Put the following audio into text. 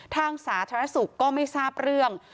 สาธารณสุขก็ไม่ทราบเรื่อง